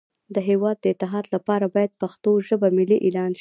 د هیواد د اتحاد لپاره باید پښتو ژبه ملی اعلان شی